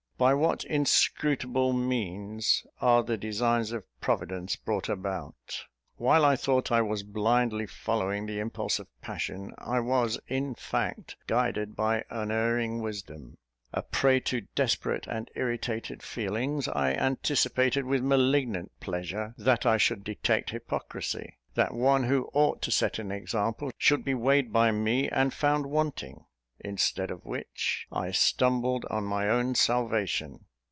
By what inscrutable means are the designs of Providence brought about! While I thought I was blindly following the impulse of passion, I was, in fact, guided by unerring Wisdom. A prey to desperate and irritated feelings, I anticipated, with malignant pleasure, that I should detect hypocrisy that one who ought to set an example, should be weighed by me, and found wanting; instead of which I stumbled on my own salvation!